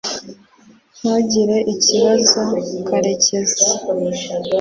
ntugire ikibazo karekezi